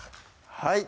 はい